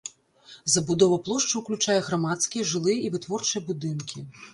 Забудова плошчы ўключае грамадскія, жылыя і вытворчыя будынкі.